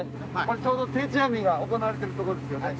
ちょうど定置網が行われているところですよね。